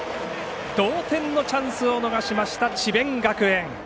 同点のチャンスを逃しました智弁学園。